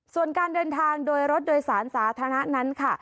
ส่วนการเดินทางโดยรถโดยสารสาธารณะนั้นค่ะ